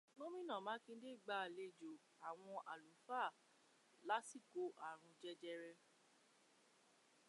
Gómìnà Mákindé gbàlejò àwọn alùfáà lásìkò ààrùn jẹjẹrẹ.